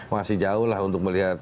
masih jauh lah untuk melihat